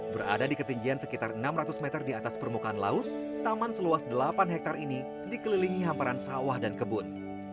berada di ketinggian sekitar enam ratus meter di atas permukaan laut taman seluas delapan hektare ini dikelilingi hamparan sawah dan kebun